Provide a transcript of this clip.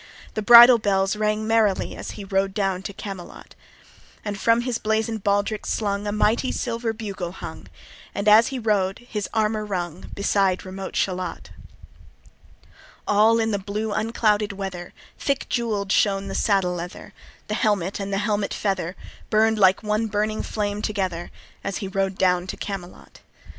The bridle bells rang merrily As he rode down to Camelot: And from his blazon'd baldric slung A mighty silver bugle hung, And as he rode his armour rung, Beside remote Shalott. All in the blue unclouded weather Thick jewell'd shone the saddle leather, The helmet and the helmet feather Burn'd like one burning flame together, As he rode down to Camelot.